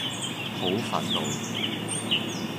好憤怒